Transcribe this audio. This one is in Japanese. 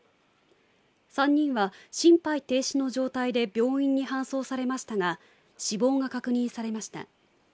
３人は心肺停止の状態で病院に搬送されましたが死亡が確認されました。